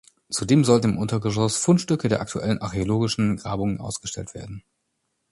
Zudem sollten im Untergeschoss Fundstücke der aktuellen archäologischen Grabungen ausgestellt werden.